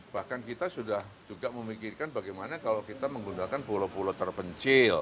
bahkan kita sudah juga memikirkan bagaimana kalau kita menggunakan pulau pulau terpencil